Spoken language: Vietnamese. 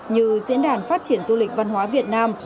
như diễn đàn phát triển du lịch văn hóa việt nam